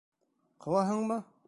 Ҡыуаһыңмы?